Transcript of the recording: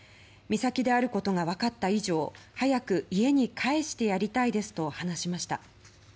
美咲であることが分かった以上早く家に帰してやりたいですと話しました。